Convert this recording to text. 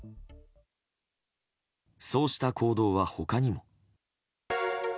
そうした行動は、他にも。